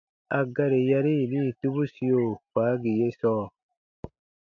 A gari yari yini tubusio faagi ye sɔɔ :